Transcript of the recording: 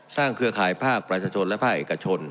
เครือข่ายภาคประชาชนและภาคเอกชน